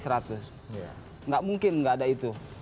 enggak mungkin enggak ada itu